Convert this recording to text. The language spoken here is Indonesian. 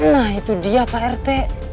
nah itu dia pak rt